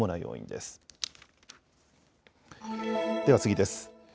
では次です。